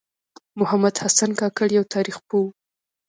محمد حسن کاکړ یوه تاریخ پوه و .